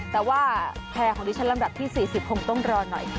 แต่ว่าแพร่ของดิฉันลำดับที่๔๐คงต้องรอหน่อย